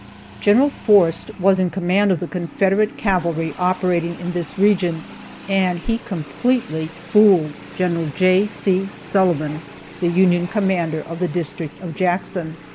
Gen. Forrest was in command of the Confederate cavalry operating in this region, and he completely fooled Gen. J. C. Sullivan, the Union commander of the district of Jackson.